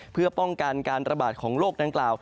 เพื่อป้องกันการระบาดของโรคดังกล่าว